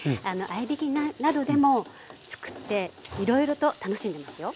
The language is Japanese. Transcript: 合いびきなどでも作っていろいろと楽しんでますよ。